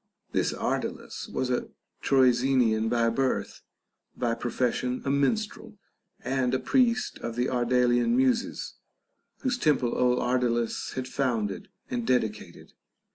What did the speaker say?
This Ardalus was a Troezenian by birth, by profes sion a minstrel, and a priest of the Ardalian Muses, whose temple old Ardalus had founded and dedicated.